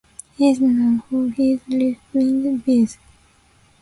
He is known for his left-wing views.